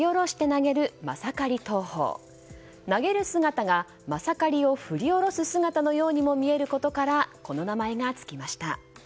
投げる姿が、マサカリを振り下ろす姿のようにも見えることからこの名前が付きました。